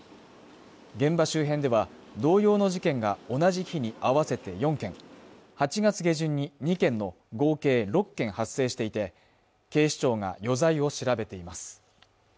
現場周辺では同様の事件が同じ日に合わせて４件８月下旬に２件の合計６件発生していて警視庁が余罪を調べています